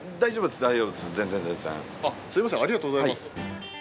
すみませんありがとうございます。